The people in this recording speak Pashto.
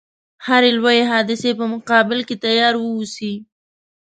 هري لويي حادثې په مقابل کې تیار و اوسي.